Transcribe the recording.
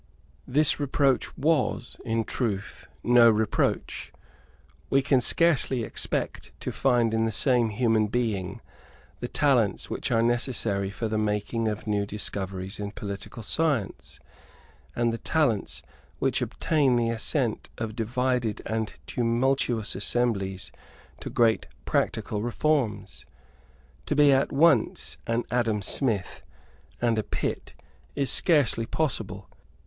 This reproach was, in truth, no reproach. We can scarcely expect to find in the same human being the talents which are necessary for the making of new discoveries in political science, and the talents which obtain the assent of divided and tumultuous assemblies to great practical reforms. To be at once an Adam Smith and a Pitt is scarcely possible.